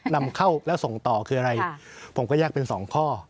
นำเข้าแล้วส่งต่อคืออะไรผมก็แยกเป็นสองข้อ